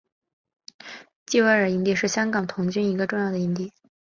基维尔营地是香港童军一个重要的营地。